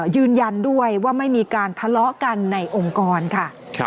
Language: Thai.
ยืนยันด้วยว่าไม่มีการทะเลาะกันในองค์กรค่ะ